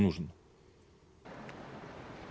dan mengapa ini diperlukan